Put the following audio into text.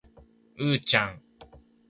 うーちゃん